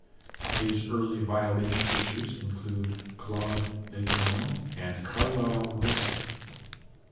His early violin teachers include Claude Letourneau and Carlisle Wilson.